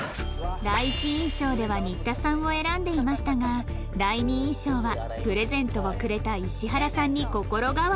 第一印象では新田さんを選んでいましたが第二印象はプレゼントをくれた石原さんに心変わり